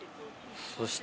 そして。